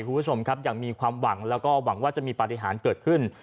คุณผู้ชมครับยังมีความหวังแล้วก็หวังว่าจะมีปฏิหารเกิดขึ้น